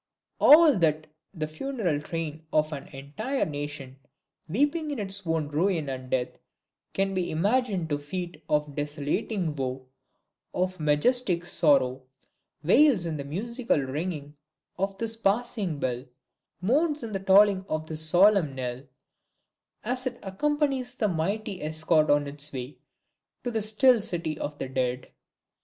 All that the funeral train of an entire nation weeping its own ruin and death can be imagined to feel of desolating woe, of majestic sorrow, wails in the musical ringing of this passing bell, mourns in the tolling of this solemn knell, as it accompanies the mighty escort on its way to the still city of the Dead.